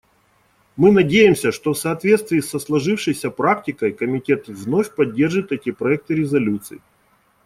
Мы надеемся, что в соответствии со сложившейся практикой Комитет вновь поддержит эти проекты резолюций.